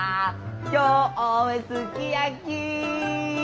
「今日はすき焼き」